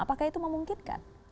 apakah itu memungkinkan